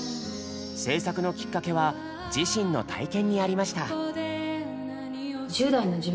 制作のきっかけは自身の体験にありました。